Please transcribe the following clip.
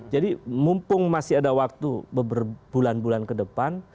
jadi mumpung masih ada waktu beberapa bulan bulan ke depan